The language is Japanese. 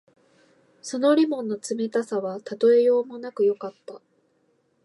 その檸檬の冷たさはたとえようもなくよかった。